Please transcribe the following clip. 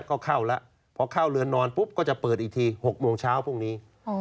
ก็เข้าแล้วพอเข้าเรือนนอนปุ๊บก็จะเปิดอีกที๖โมงเช้าพรุ่งนี้